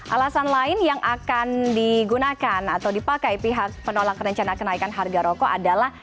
alasan lain yang akan digunakan atau dipakai pihak penolak rencana kenaikan harga rokok adalah